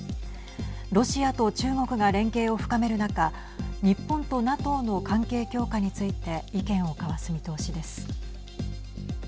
ロシアと中国が連携を深める中日本とＮＡＴＯの関係強化について意見を交わす見通しです。